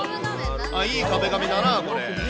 いい壁紙だな、これ。